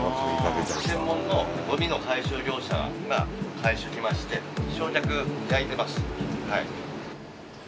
専門のゴミの回収業者が回収に来まして焼却焼いてます。